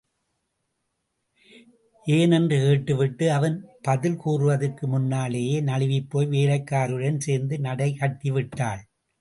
ஏன்? என்று கேட்டு விட்டு, அவன் பதில் கூறுவதற்கு முன்னாலேயே, நழுவிபோய் வேலைக்காரியுடன் சேர்ந்து நடை கட்டி விட்டாள்.